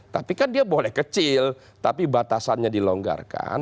tapi kan dia boleh kecil tapi batasannya dilonggarkan